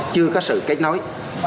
chưa có sự kết nối